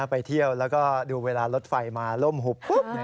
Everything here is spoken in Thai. ไปเที่ยวแล้วก็ดูเวลารถไฟมาล่มหุบปุ๊บ